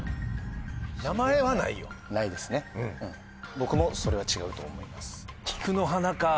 僕もそれは違うと思います。